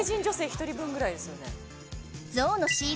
一人分ぐらいですよね